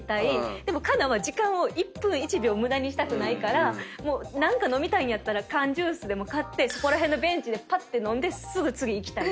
でも佳奈は時間を一分一秒無駄にしたくないから何か飲みたいんやったら缶ジュースでも買ってそこら辺のベンチでぱって飲んですぐ次いきたい。